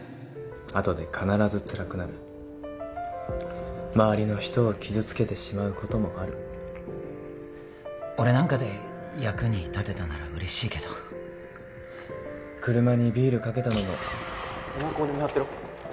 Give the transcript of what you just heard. あとで必ずつらくなる周りの人を傷つけてしまうこともある俺なんかで役に立てたなら嬉しいけど車にビールかけたのもお前ここで見張ってろ